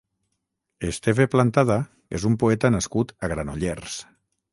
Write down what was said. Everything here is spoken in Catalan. Esteve Plantada és un poeta nascut a Granollers.